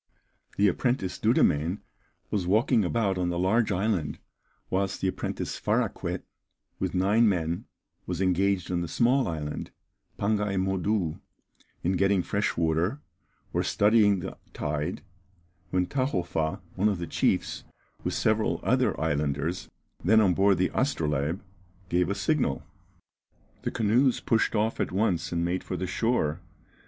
The apprentice Dudemaine was walking about on the large island, whilst the apprentice Faraquet, with nine men, was engaged on the small island, Pangaï Modou, in getting fresh water, or studying the tide, when Tahofa, one of the chiefs, with several other islanders, then on board the Astrolabe, gave a signal. The canoes pushed off at once and made for the shore.